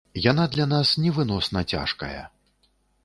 Яна для нас невыносна цяжкая.